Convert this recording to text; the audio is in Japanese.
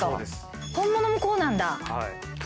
本物もこうなんだ。